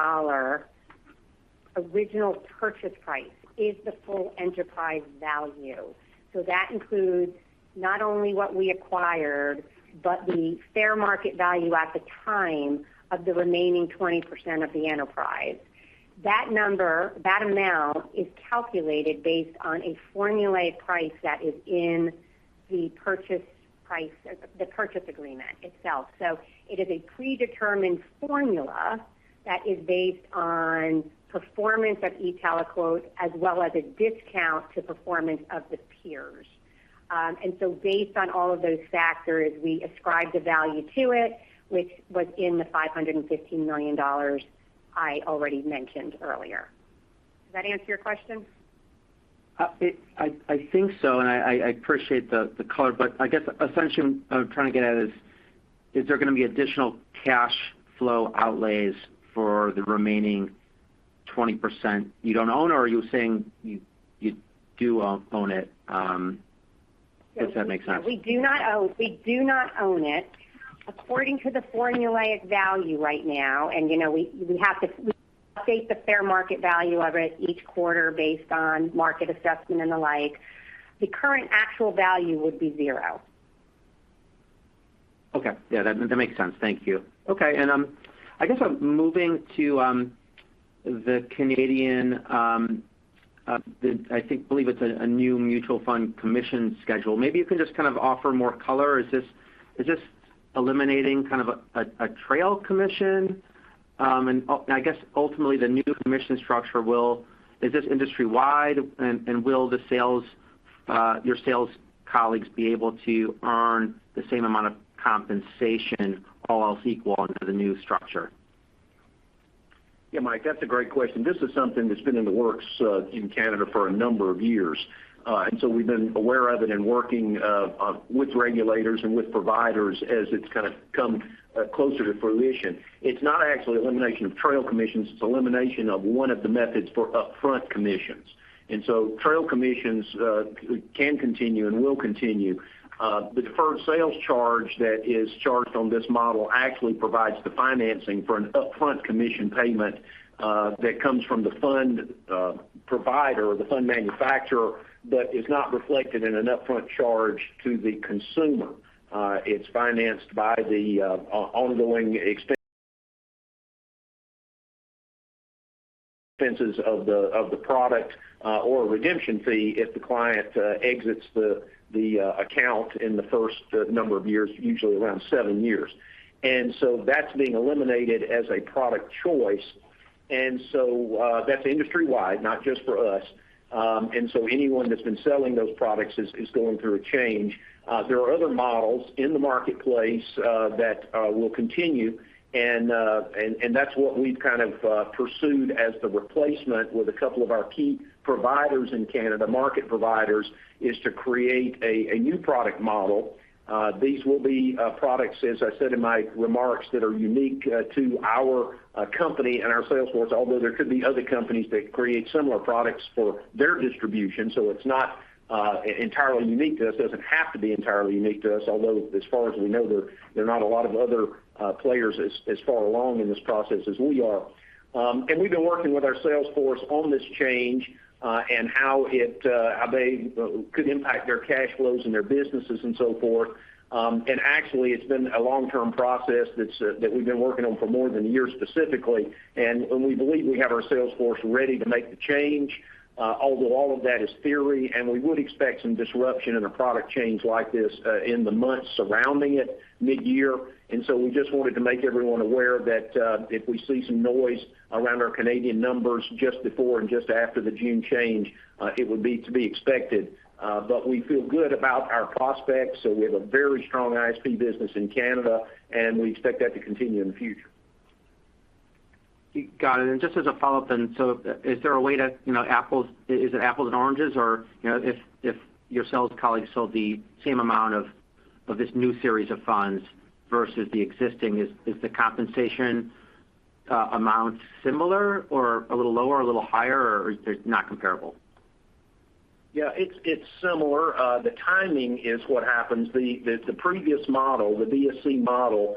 original purchase price is the full enterprise value. That includes not only what we acquired, but the fair market value at the time of the remaining 20% of the enterprise. That number, that amount is calculated based on a formulaic price that is in the purchase price, the purchase agreement itself. It is a predetermined formula that is based on performance of e-TeleQuote as well as a discount to performance of the peers. Based on all of those factors, we ascribe the value to it, which was in the $515 million I already mentioned earlier. Does that answer your question? I think so, and I appreciate the color, but I guess essentially what I'm trying to get at is there gonna be additional cash flow outlays for the remaining 20% you don't own, or are you saying you do own it? If that makes sense. We do not own it. According to the formulaic value right now, and you know, we update the fair market value of it each quarter based on market assessment and the like, the current actual value would be zero. Okay. Yeah, that makes sense. Thank you. Okay. I guess I'm moving to the Canadian. I believe it's a new mutual fund commission schedule. Maybe you can just kind of offer more color. Is this eliminating kind of a trail commission? I guess ultimately the new commission structure will. Is this industry-wide and will the sales, your sales colleagues be able to earn the same amount of compensation, all else equal under the new structure? Yeah, Mike, that's a great question. This is something that's been in the works in Canada for a number of years. We've been aware of it and working with regulators and with providers as it's kind of come closer to fruition. It's not actually elimination of trail commissions, it's elimination of one of the methods for upfront commissions. Trail commissions can continue and will continue. The Deferred Sales Charge that is charged on this model actually provides the financing for an upfront commission payment that comes from the fund provider or the fund manufacturer, but is not reflected in an upfront charge to the consumer. It's financed by the ongoing expenses of the product or a redemption fee if the client exits the account in the first number of years, usually around seven years. That's being eliminated as a product choice. That's industry-wide, not just for us. Anyone that's been selling those products is going through a change. There are other models in the marketplace that will continue and that's what we've kind of pursued as the replacement with a couple of our key providers in Canada, market providers, is to create a new product model. These will be products, as I said in my remarks, that are unique to our company and our sales force, although there could be other companies that create similar products for their distribution. It's not entirely unique to us. It doesn't have to be entirely unique to us, although as far as we know, there are not a lot of other players as far along in this process as we are. We've been working with our sales force on this change and how they could impact their cash flows and their businesses and so forth. Actually it's been a long-term process that's that we've been working on for more than a year specifically. We believe we have our sales force ready to make the change, although all of that is theory, and we would expect some disruption in a product change like this, in the months surrounding it mid-year. We just wanted to make everyone aware that, if we see some noise around our Canadian numbers just before and just after the June change, it would be to be expected. We feel good about our prospects, so we have a very strong ISP business in Canada, and we expect that to continue in the future. Got it. Just as a follow-up, is there a way to, you know, apples to oranges or, you know, if your sales colleagues sold the same amount of this new series of funds versus the existing, is the compensation amount similar or a little lower, a little higher, or they're not comparable? Yeah, it's similar. The timing is what happens. The previous model, the DSC model,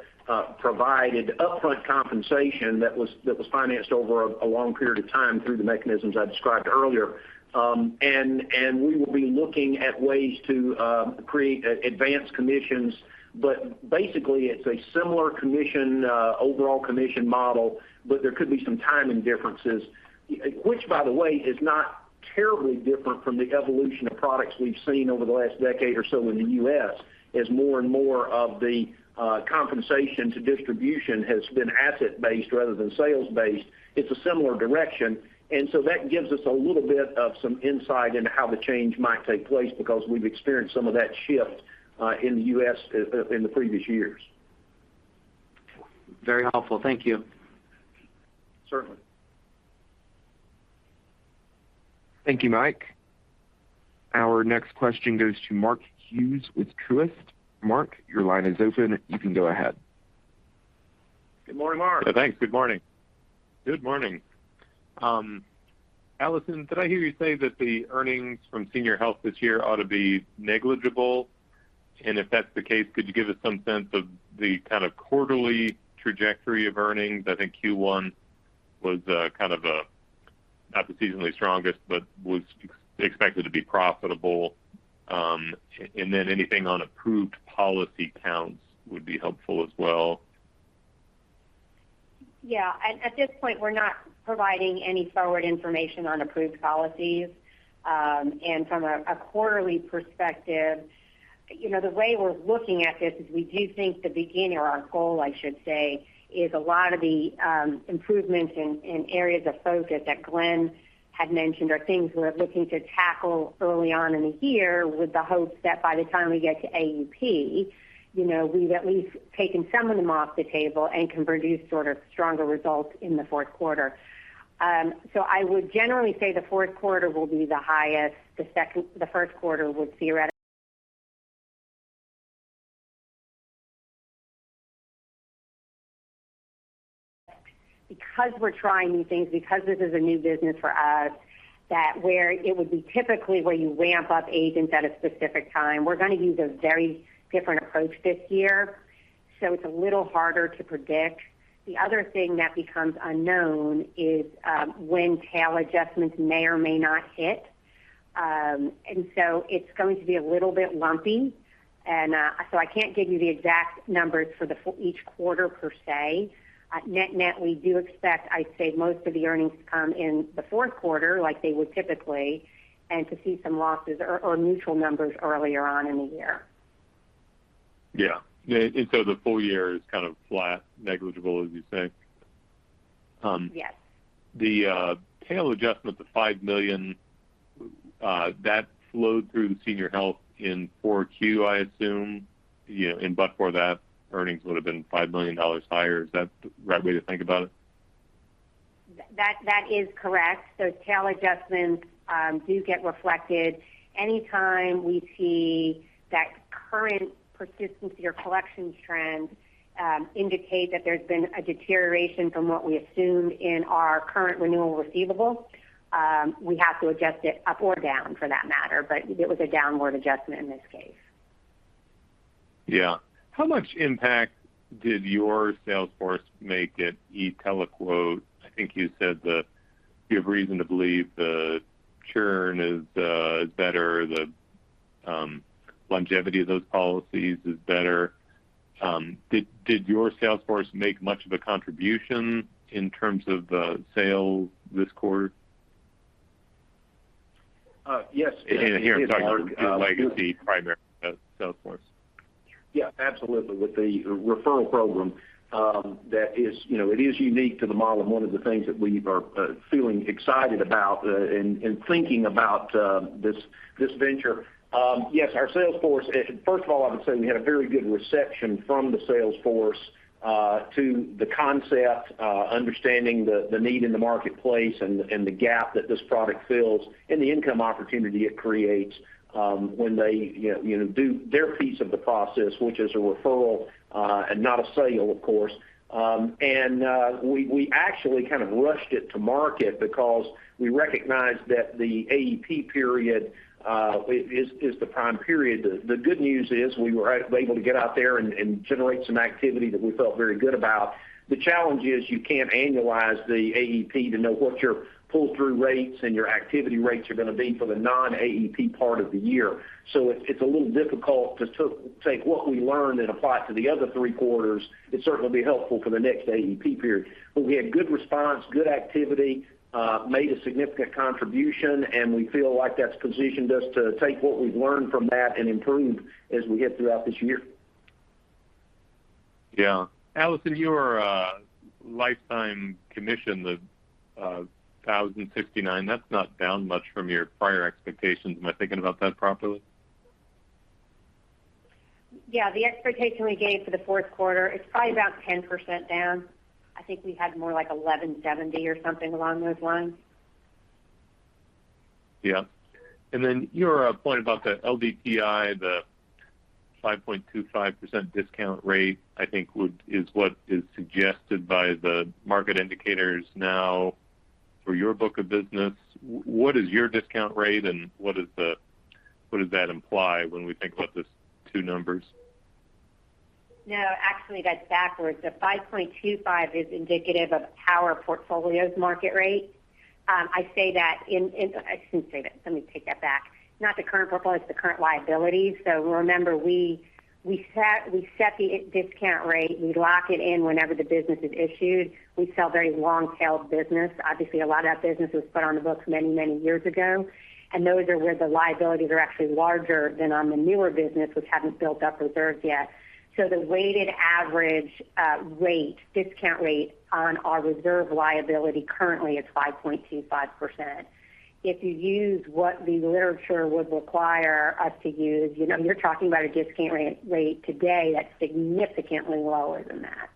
provided upfront compensation that was financed over a long period of time through the mechanisms I described earlier. We will be looking at ways to create advanced commissions. Basically, it's a similar commission overall commission model, but there could be some timing differences. Which by the way is not terribly different from the evolution of products we've seen over the last decade or so in the U.S., as more and more of the compensation to distribution has been asset-based rather than sales-based. It's a similar direction. That gives us a little bit of some insight into how the change might take place, because we've experienced some of that shift in the U.S. in the previous years. Very helpful. Thank you. Certainly. Thank you, Mike. Our next question goes to Mark Hughes with Truist. Mark, your line is open. You can go ahead. Good morning, Mark. Thanks. Good morning. Good morning. Alison, did I hear you say that the earnings from Senior Health this year ought to be negligible? If that's the case, could you give us some sense of the kind of quarterly trajectory of earnings? I think Q1 was kind of, not the seasonally strongest, but was expected to be profitable. Then anything on approved policy counts would be helpful as well. Yeah. At this point, we're not providing any forward information on approved policies. From a quarterly perspective, you know, the way we're looking at this is we do think the beginning or our goal, I should say, is a lot of the improvements in areas of focus that Glenn had mentioned are things we're looking to tackle early on in the year with the hope that by the time we get to AEP, you know, we've at least taken some of them off the table and can produce sort of stronger results in the Q4. I would generally say the Q4 will be the highest. The Q1 would theoretically, because we're trying new things, because this is a new business for us, that where it would be typically where you ramp up agents at a specific time, we're gonna use a very different approach this year. It's a little harder to predict. The other thing that becomes unknown is, when tail adjustments may or may not hit, and so it's going to be a little bit lumpy. I can't give you the exact numbers for each quarter per se. Net-net, we do expect, I'd say most of the earnings to come in the Q4 like they would typically, and to see some losses or neutral numbers earlier on in the year. The full year is kind of flat, negligible, as you say. Yes. The tail adjustment, the $5 million that flowed through Senior Health in 4Q, I assume, you know, but for that, earnings would have been $5 million higher. Is that the right way to think about it? That is correct. Those tail adjustments do get reflected. Any time we see that current persistency or collection trends indicate that there's been a deterioration from what we assumed in our current renewal receivable, we have to adjust it up or down for that matter. It was a downward adjustment in this case. Yeah. How much impact did your sales force make at e-TeleQuote? I think you said you have reason to believe the churn is better, the longevity of those policies is better. Did your sales force make much of a contribution in terms of the sale this quarter? Yes. [CROSSTALK] Here I'm talking about your legacy Primerica sales force. Yeah, absolutely. With the referral program, that is, you know, it is unique to the model and one of the things that we are feeling excited about in thinking about this venture. Yes, our sales force. First of all, I would say we had a very good reception from the sales force to the concept, understanding the need in the marketplace and the gap that this product fills and the income opportunity it creates when they, you know, do their piece of the process, which is a referral and not a sale, of course. We actually kind of rushed it to market because we recognized that the AEP period is the prime period. The good news is we were able to get out there and generate some activity that we felt very good about. The challenge is you can't annualize the AEP to know what your pull-through rates and your activity rates are gonna be for the non-AEP part of the year. It's a little difficult to take what we learned and apply it to the other three quarters. It's certainly helpful for the next AEP period. We had good response, good activity, made a significant contribution, and we feel like that's positioned us to take what we've learned from that and improve as we get throughout this year. Yeah. Alison, your lifetime commission, the $1,069, that's not down much from your prior expectations. Am I thinking about that properly? Yeah. The expectation we gave for the Q4, it's probably about 10% down. I think we had more like $1,170 or something along those lines. Yeah. Your point about the LDTI, the 5.25% discount rate, I think is what is suggested by the market indicators now for your book of business. What is your discount rate and what does that imply when we think about these two numbers? No, actually, that's backwards. The 5.25% is indicative of our portfolio's market rate. I shouldn't say that. Let me take that back. Not the current portfolio, it's the current liability. Remember, we set the discount rate, we lock it in whenever the business is issued. We sell very long-tailed business. Obviously, a lot of that business was put on the books many, many years ago, and those are where the liabilities are actually larger than on the newer business, which haven't built up reserves yet. The weighted average rate, discount rate on our reserve liability currently is 5.25%. If you use what the literature would require us to use, you know, you're talking about a discount rate today that's significantly lower than that.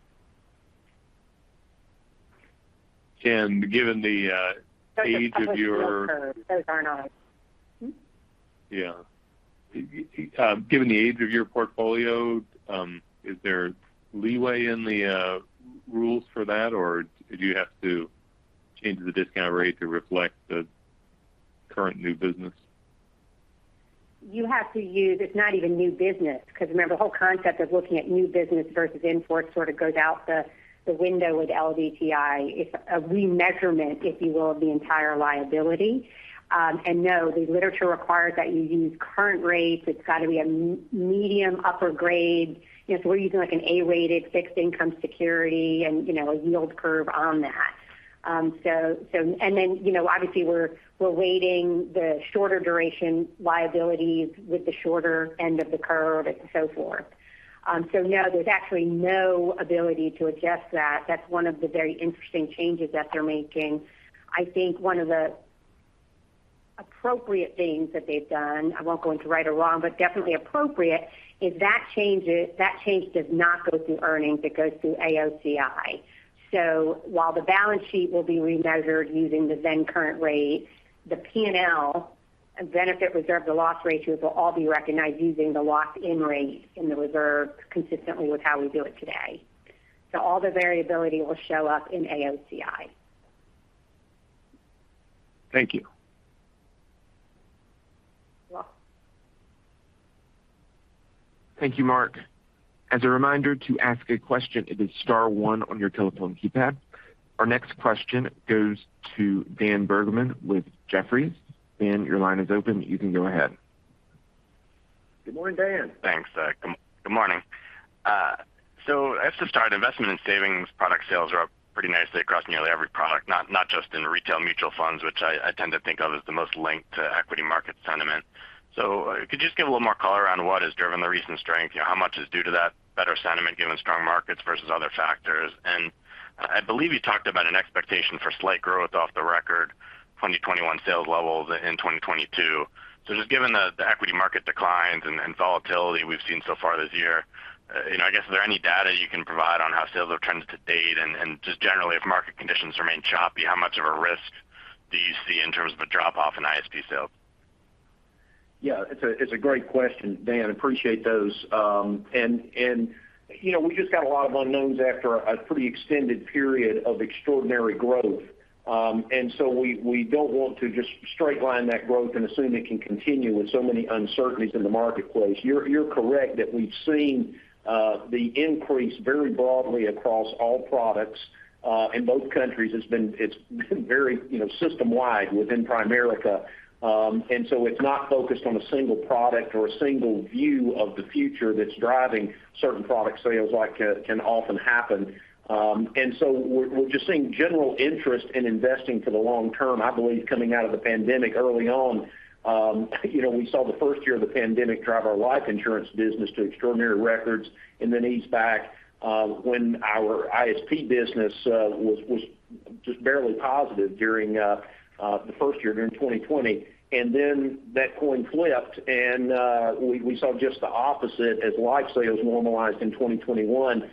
Given the age of your- Those are not. Yeah. Given the age of your portfolio, is there leeway in the rules for that, or do you have to change the discount rate to reflect the current new business? It's not even new business, because remember, the whole concept of looking at new business versus in-force sort of goes out the window with LDTI. It's a remeasurement, if you will, of the entire liability. No, the literature requires that you use current rates. It's got to be a medium upper grade. You know, so we're using like an A-rated fixed income security and, you know, a yield curve on that. You know, obviously, we're weighting the shorter duration liabilities with the shorter end of the curve and so forth. No, there's actually no ability to adjust that. That's one of the very interesting changes that they're making. I think one of the appropriate things that they've done, I won't go into right or wrong, but definitely appropriate, is that that change does not go through earnings, it goes through AOCI. While the balance sheet will be remeasured using the then current rate, the P&L, benefit reserve, the loss ratios will all be recognized using the locked-in rate in the reserve consistently with how we do it today. All the variability will show up in AOCI. Thank you. You're welcome. Thank you, Mark. As a reminder to ask a question, it is star one on your telephone keypad. Our next question goes to Dan Bergman with Jefferies. Dan, your line is open. You can go ahead. Good morning, Dan. Thanks. Good morning. To start, investment and savings product sales are up pretty nicely across nearly every product, not just in retail mutual funds, which I tend to think of as the most linked to equity market sentiment. Could you just give a little more color around what has driven the recent strength? How much is due to that better sentiment given strong markets versus other factors? I believe you talked about an expectation for slight growth off the record 2021 sales levels in 2022. Just given the equity market declines and volatility we've seen so far this year, you know, I guess, is there any data you can provide on how sales have trended to date? Just generally, if market conditions remain choppy, how much of a risk do you see in terms of a drop off in ISP sales? Yeah, it's a great question, Dan. Appreciate those. You know, we just got a lot of unknowns after a pretty extended period of extraordinary growth. We don't want to just straight line that growth and assume it can continue with so many uncertainties in the marketplace. You're correct that we've seen the increase very broadly across all products in both countries. It's been very, you know, system-wide within Primerica. It's not focused on a single product or a single view of the future that's driving certain product sales like can often happen. We're just seeing general interest in investing for the long term. I believe coming out of the pandemic early on, you know, we saw the first year of the pandemic drive our Life Insurance business to extraordinary records and then ease back, when our ISP business was just barely positive during the first year during 2020. That coin flipped, and we saw just the opposite as Life sales normalized in 2021,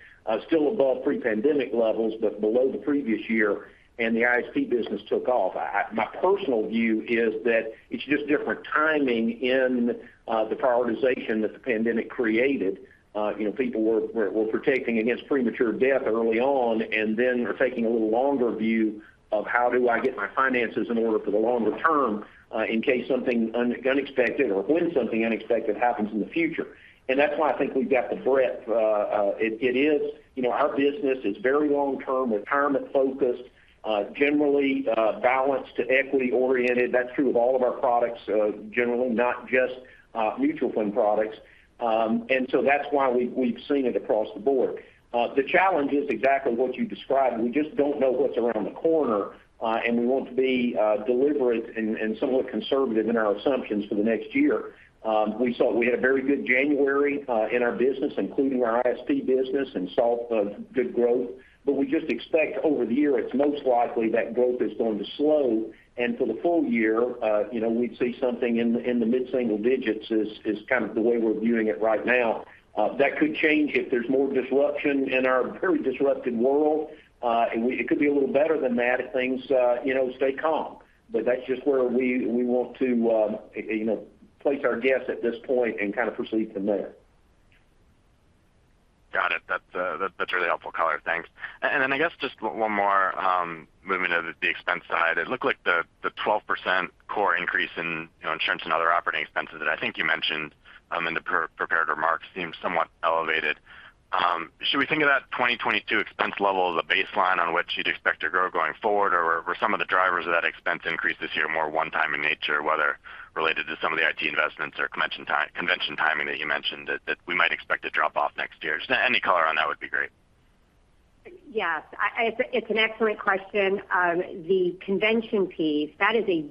still above pre-pandemic levels, but below the previous year, and the ISP business took off. My personal view is that it's just different timing in the prioritization that the pandemic created. You know, people were protecting against premature death early on, and then are taking a little longer view of how do I get my finances in order for the longer term, in case something unexpected or when something unexpected happens in the future. That's why I think we've got the breadth. You know, our business is very long-term, retirement focused, generally, balanced to equity oriented. That's true of all of our products, generally not just mutual fund products. That's why we've seen it across the board. The challenge is exactly what you described. We just don't know what's around the corner, and we want to be deliberate and somewhat conservative in our assumptions for the next year. We saw we had a very good January in our business, including our ISP business, and saw good growth. We just expect over the year, it's most likely that growth is going to slow. For the full year, you know, we'd see something in the mid-single digits is kind of the way we're viewing it right now. That could change if there's more disruption in our very disrupted world. It could be a little better than that if things, you know, stay calm. That's just where we want to place our bets at this point and kind of proceed from there. Got it. That's really helpful color. Thanks. I guess just one more, moving to the expense side, it looked like the 12% core increase in, you know, insurance and other operating expenses that I think you mentioned in the prepared remarks seemed somewhat elevated. Should we think of that 2022 expense level as a baseline on which you'd expect to grow going forward? Or were some of the drivers of that expense increase this year more one-time in nature, whether related to some of the IT investments or convention timing that you mentioned that we might expect to drop off next year? Just any color on that would be great. Yes. It's an excellent question. The convention piece, that is a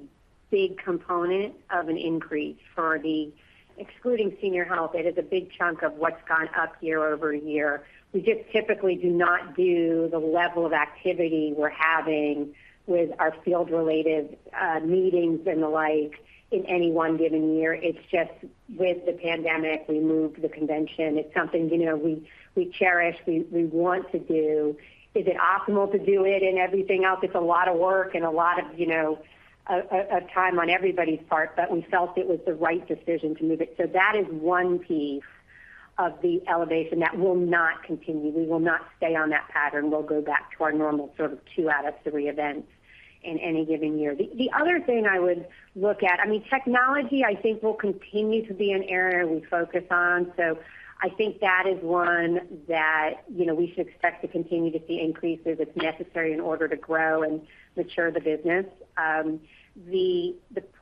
big component of the increase excluding Senior Health. It is a big chunk of what's gone up year-over-year. We just typically do not do the level of activity we're having with our field-related meetings and the like in any one given year. It's just with the pandemic, we moved the convention. It's something, you know, we cherish, we want to do. Is it optimal to do it and everything else? It's a lot of work and a lot of, you know, a time on everybody's part, but we felt it was the right decision to move it. That is one piece of the elevation that will not continue. We will not stay on that pattern. We'll go back to our normal sort of two out of three events in any given year. The other thing I would look at, I mean, technology I think will continue to be an area we focus on. I think that is one that, you know, we should expect to continue to see increases if necessary in order to grow and mature the business. The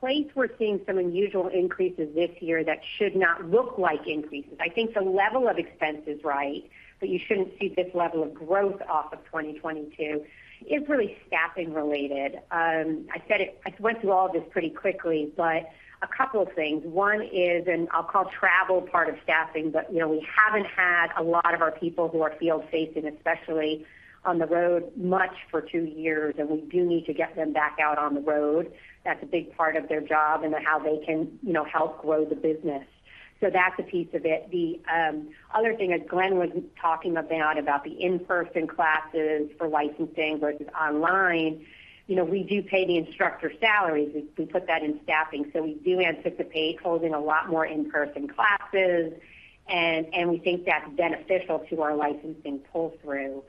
place we're seeing some unusual increases this year that should not look like increases. I think the level of expense is right, but you shouldn't see this level of growth off of 2022. It's really staffing related. I said it, I went through all this pretty quickly, but a couple of things. One is, and I'll call travel part of staffing, but you know, we haven't had a lot of our people who are field-facing, especially on the road much for two years, and we do need to get them back out on the road. That's a big part of their job and how they can, you know, help grow the business. That's a piece of it. The other thing as Glenn was talking about the in-person classes for licensing versus online, you know, we do pay the instructor salaries. We put that in staffing. We do anticipate holding a lot more in-person classes, and we think that's beneficial to our licensing pull through.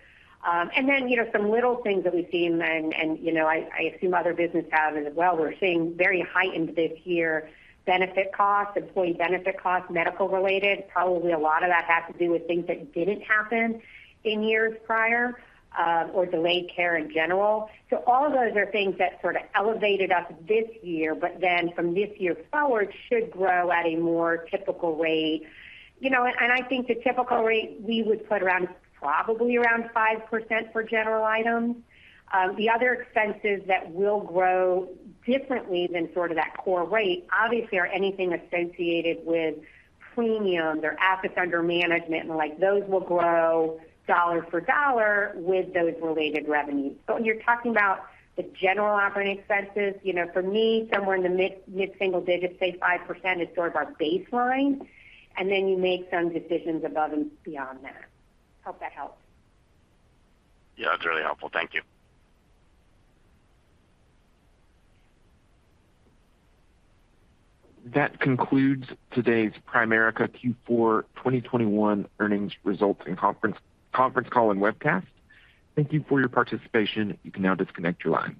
Then, you know, some little things that we've seen and, you know, I assume other business have as well. We're seeing very heightened this year benefit costs, employee benefit costs, medical related. Probably a lot of that has to do with things that didn't happen in years prior, or delayed care in general. All of those are things that sort of elevated us this year, but then from this year forward should grow at a more typical rate. You know, I think the typical rate we would put around probably 5% for general items. The other expenses that will grow differently than sort of that core rate, obviously, are anything associated with premiums or assets under management and the like. Those will grow dollar for dollar with those related revenues. You're talking about the general operating expenses. You know, for me, somewhere in the mid-single digits, say 5% is sort of our baseline, and then you make some decisions above and beyond that. Hope that helps. Yeah. That's really helpful. Thank you. That concludes today's Primerica Q4 2021 Earnings Results Conference Call and Webcast. Thank you for your participation. You can now disconnect your line.